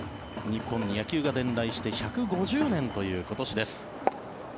日本に野球が伝来して１５０年という今年です。